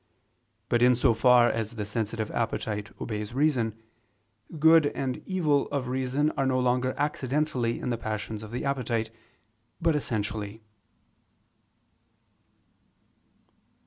But in so far as the sensitive appetite obeys reason, good and evil of reason are no longer accidentally in the passions of the appetite, but essentially.